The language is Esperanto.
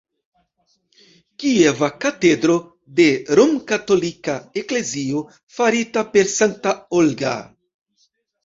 Kieva katedro de Romkatolika Eklezio, farita per Sankta Olga.